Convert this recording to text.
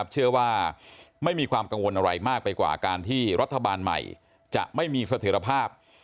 เชื่อว่าไม่มีความกังวลอะไรมากไปกว่าการที่รัฐบาลใหม่จะไม่มีเสถียรภาพ